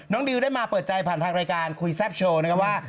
ดิวได้มาเปิดใจผ่านทางรายการคุยแซ่บโชว์นะครับว่า